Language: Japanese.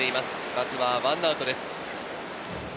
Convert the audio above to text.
まずは１アウトです。